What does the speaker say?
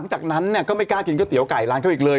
จากนั้นก็ไม่กล้ากินก๋วเตี๋ไก่ร้านเขาอีกเลย